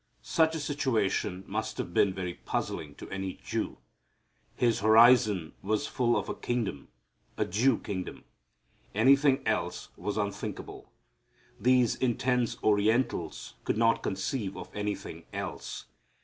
Such a situation must have been very puzzling to any Jew. His horizon was full of a kingdom a Jew kingdom. Anything else was unthinkable. These intense Orientals could not conceive of anything else.